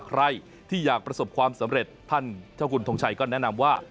ใครที่อยากประสบความสำเร็จท่านเจ้าคุณทงชัยก็แนะนำว่า